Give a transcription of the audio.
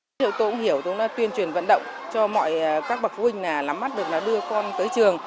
hữu hiệu tôi cũng hiểu tôi cũng tuyên truyền vận động cho mọi các bậc phụ huynh làm mắt được đưa con tới trường